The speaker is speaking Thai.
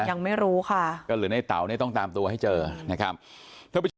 ยังไม่รู้ค่ะก็เหลือในเตาต้องตามตัวให้เจอนะครับ